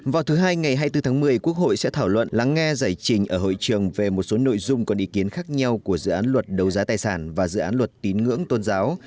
vào thứ hai ngày hai mươi bốn tháng một mươi quốc hội sẽ thảo luận lắng nghe giải trình ở hội trường về một số nội dung còn ý kiến khác nhau của dự án luật đấu giá tài sản và dự án luật tín ngưỡng tôn giáo